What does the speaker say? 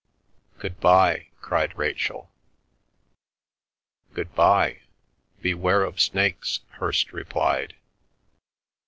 "Good bye!" cried Rachel. "Good by. Beware of snakes," Hirst replied.